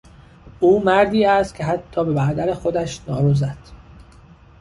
او مردی است که حتی به برادر خودش نارو زد.